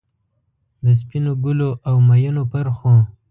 د سپینو ګلو، اومیینو پرخو،